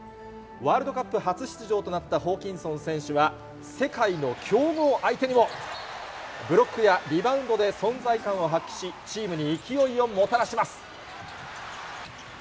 ワールドカップ初出場となったホーキンソン選手は、世界の強豪相手にも、ブロックやリバウンドで存在感を発揮し、チームに勢いをもたらします。